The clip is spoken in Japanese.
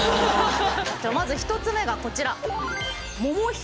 まず１つ目がこちら。